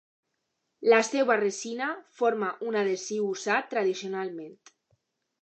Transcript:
La seva resina forma un adhesiu usat tradicionalment.